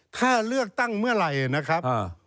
ถ้าเลือกตั้งเมื่อไหร่นะครับ